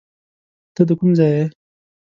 ته د کوم ځای یې؟